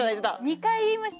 ２回言いました。